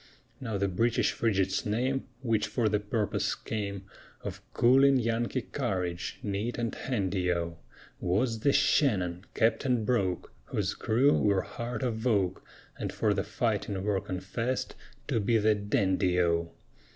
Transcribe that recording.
Now the British Frigate's name Which for the purpose came Of cooling Yankee courage Neat and handy O! Was the Shannon, Captain Broke, Whose crew were heart of oak, And for the fighting were confessed To be the dandy O!